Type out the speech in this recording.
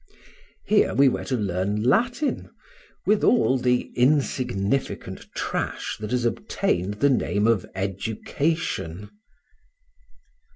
Here we were to learn Latin, with all the insignificant trash that has obtained the name of education.